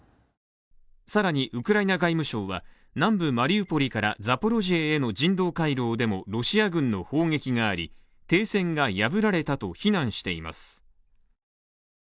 更にウクライナ外務省は南部マリウポリからザポロジエへの人道回廊でもロシア軍の砲撃があり停戦が破られたと非難しています。